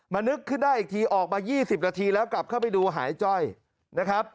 นึกขึ้นได้อีกทีออกมา๒๐นาทีแล้วกลับเข้าไปดูหายจ้อยนะครับ